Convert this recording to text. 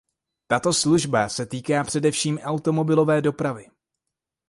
Tato služba se týká především automobilové dopravy.